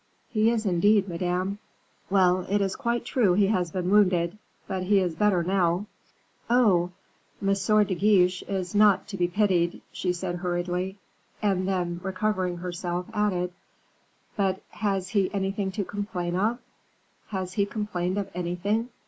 "He is, indeed, Madame." "Well, it is quite true he has been wounded; but he is better now. Oh! M. de Guiche is not to be pitied," she said hurriedly; and then, recovering herself, added, "But has he anything to complain of? Has he complained of anything?